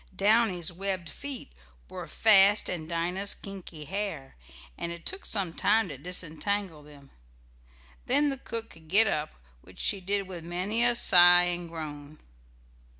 Downy's webbed feet were fast in Dinah's kinky hair, and it took some time to disentangle them. Then the cook could get up, which she did with many a sigh and groan.